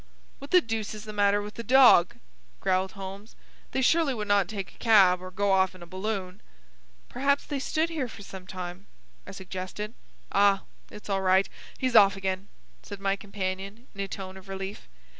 "What the deuce is the matter with the dog?" growled Holmes. "They surely would not take a cab, or go off in a balloon." "Perhaps they stood here for some time," I suggested. "Ah! it's all right. He's off again," said my companion, in a tone of relief.